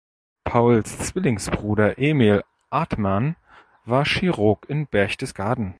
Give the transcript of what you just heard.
Pauls Zwillingsbruder Emil Artmann war Chirurg in Berchtesgaden.